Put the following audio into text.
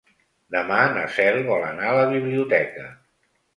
Demà na Cel vol anar a la biblioteca.